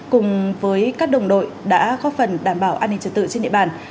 cùng với các đồng đội đã góp phần đảm bảo an ninh trật tự trên địa bàn